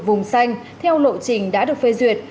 vùng xanh theo lộ trình đã được phê duyệt